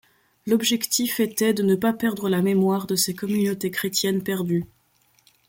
L’objectif était de ne pas perdre la mémoire de ces communautés chrétiennes perdues.